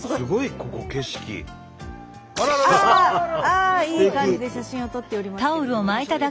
ああいい感じで写真を撮っておりますけれどもね。